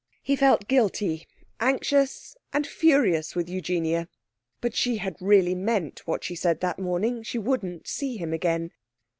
He felt guilty, anxious, and furious with Eugenia. But she had really meant what she said that morning; she wouldn't see him again.